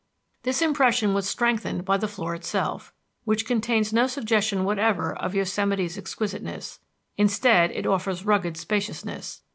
This impression was strengthened by the floor itself, which contains no suggestion whatever of Yosemite's exquisiteness. Instead, it offers rugged spaciousness.